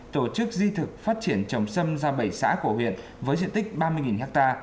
tổ chức di thực phát triển trồng sâm ra bảy xã cổ huyện với diện tích ba mươi ha